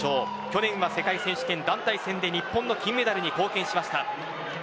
去年は世界選手権団体戦で日本の金メダルに貢献しました。